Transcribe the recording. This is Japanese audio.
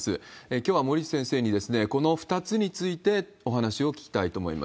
きょうは森内先生に、この２つについてお話を聞きたいと思います。